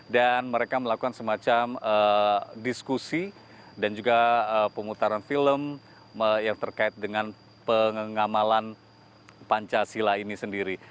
dan mereka melakukan semacam diskusi dan juga pemutaran film yang terkait dengan pengamalan pancasila ini sendiri